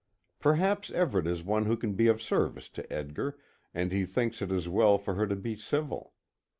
Perhaps Everet is one who can be of service to Edgar, and he thinks it as well for her to be civil.